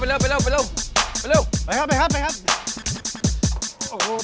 ไปเร็วไปครับ